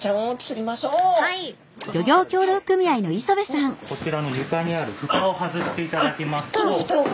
最初にこちらのゆかにあるふたを外していただきますと。